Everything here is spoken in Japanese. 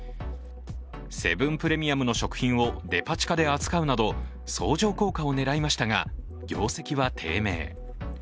セブンプレミアムの食品をデパ地下で扱うなど相乗効果を狙いましたが業績は低迷。